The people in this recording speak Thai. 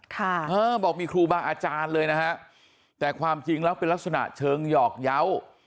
เออบอกมีครูบาอาจารย์เลยนะฮะแต่ความจริงแล้วเป็นลักษณะเชิงหยอกเยาว์